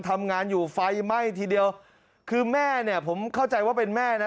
ทำงานอยู่ไฟไหม้ทีเดียวคือแม่เนี่ยผมเข้าใจว่าเป็นแม่นะ